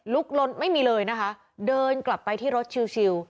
ลุกล้นไม่มีเลยนะคะเดินกลับไปที่รถชิลล์ชิลล์